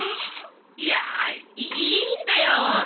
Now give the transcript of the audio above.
いやいいんだよ。